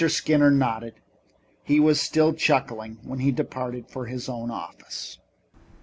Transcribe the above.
Skinner nodded. He was still chuckling when he departed for his own office.